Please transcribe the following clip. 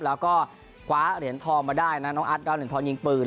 แล้วก็คว้าเหรียญทองมาได้นะน้องอัดดาวเหรียญทองยิงปืน